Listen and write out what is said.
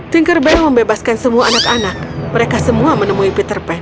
tinker band membebaskan semua anak anak mereka semua menemui peter pan